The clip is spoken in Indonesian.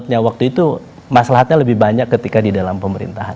jadi memang waktu itu misalnya masalahatnya lebih banyak ketika di dalam pemerintahan